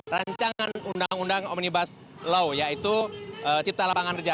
rencangan undang undang omnibus law yaitu cipta lapangan reja